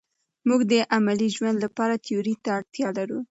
موږ د عملي ژوند لپاره تیوري ته اړتیا لرو.